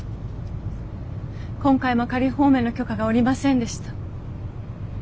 今回も仮放免の許可が下りませんでした。